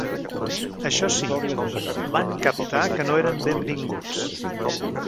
Això sí, van captar que no eren benvinguts.